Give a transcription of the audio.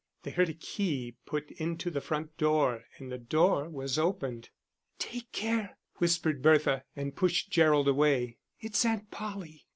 They heard a key put into the front door, and the door was opened. "Take care," whispered Bertha, and pushed Gerald away. "It's Aunt Polly."